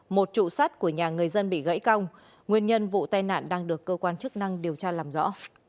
một trụ sắt của nhà người dân bị gãy cong nguyên nhân vụ tai nạn đang được cơ quan chức năng điều tra làm rõ